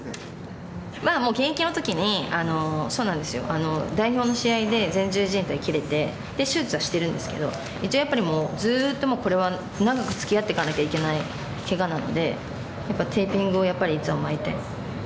現役のときに、そうなんですよ、代表の試合で前十字じん帯切れて、手術はしてるんですけど、一応やっぱり、もうずっとこれは長くつきあっていかなきゃいけないけがなんで、テーピングをやっぱりいつも巻いて。